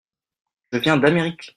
Je viens d'Amérique.